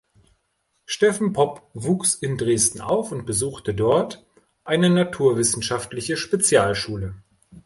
Steffen Popp wuchs in Dresden auf und besuchte dort eine naturwissenschaftliche Spezialschule.